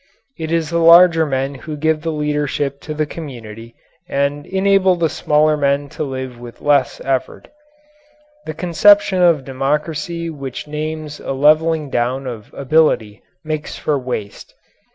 It is the larger men who give the leadership to the community and enable the smaller men to live with less effort. The conception of democracy which names a leveling down of ability makes for waste.